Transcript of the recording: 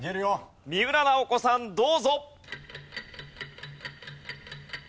三浦奈保子さんどうぞ。